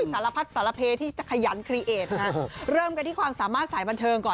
สารพัดสารเพที่จะขยันคลีเอทนะเริ่มกันที่ความสามารถสายบันเทิงก่อน